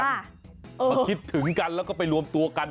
มาคิดถึงกันแล้วก็ไปรวมตัวกัน